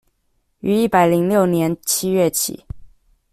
於一百零六年七月起